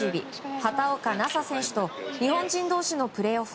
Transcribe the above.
畑岡奈紗選手と日本人同士のプレーオフ。